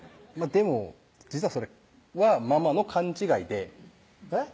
でも実はそれはママの勘違いでえっ？